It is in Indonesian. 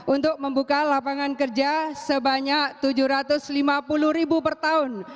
untuk membuka lapangan kerja sebanyak tujuh ratus lima puluh ribu per tahun